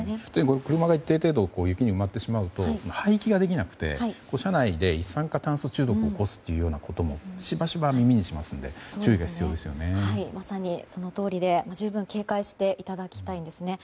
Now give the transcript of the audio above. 車が一定程度雪に埋まってしまうと排気ができなくて車内で一酸化炭素中毒を起こすというようなこともしばしば耳にしますのでまさにそのとおりで十分警戒していただきたいんですね。